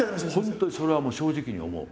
本当にそれは正直に思う。